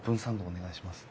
お願いします。